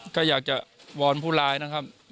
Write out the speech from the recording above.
ก็อยากจะวอนผู้ร้ายนะครับ